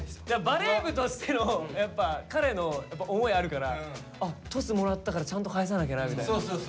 バレー部としてのやっぱ彼の思いあるからトスもらったからちゃんと返さなきゃなみたいな。